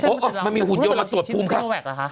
มันมีหุ่นยนต์มาตรวจภูมิค่ะ